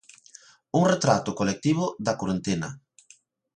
Un retrato colectivo da corentena.